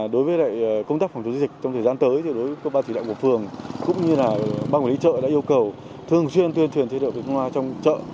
đối với công tác phòng chống dịch trong thời gian tới ban quản lý chợ đã yêu cầu thường xuyên thuyền thiết yếu phòng chống dịch trong chợ